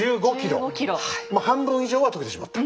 半分以上は解けてしまった。